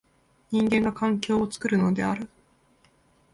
人間が環境を作るのである。